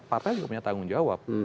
partai juga punya tanggung jawab